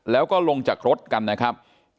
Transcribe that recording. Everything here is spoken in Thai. แล้วก็ลงจากรถกันนะครับ